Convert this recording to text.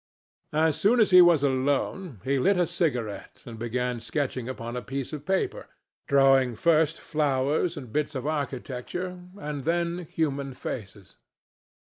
As soon as he was alone, he lit a cigarette and began sketching upon a piece of paper, drawing first flowers and bits of architecture, and then human faces.